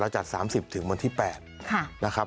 จัด๓๐ถึงวันที่๘นะครับ